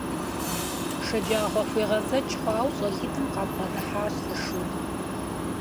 ШэджагъуэхуегъэзэкӀ хъуауэ щӀалитӀым къабгъэдыхьащ зы шу.